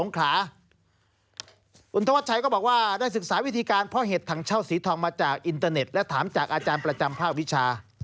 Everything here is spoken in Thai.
คุณธวัชชัยก็บอกว่าได้ศึกษาวิธีการเพาะเห็ดถังเช่าสีทองมาจากอินเตอร์เน็ตและถามจากอาจารย์ประจำภาควิชา